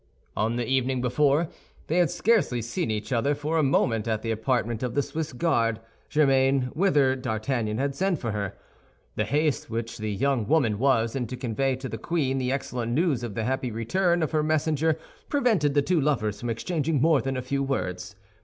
On the evening before, they had scarcely seen each other for a moment at the apartment of the Swiss guard, Germain, whither D'Artagnan had sent for her. The haste which the young woman was in to convey to the queen the excellent news of the happy return of her messenger prevented the two lovers from exchanging more than a few words.